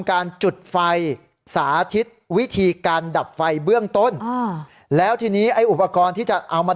การจุดไฟสาธิตวิธีการดับไฟเบื้องต้นอ่าแล้วทีนี้ไอ้อุปกรณ์ที่จะเอามา